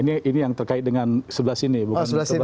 ini yang terkait dengan sebelah sini bukan sebelah